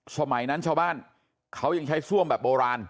สมัยนั้นชาวบ้านเขายังใช้ซ่วมแบบโบราณ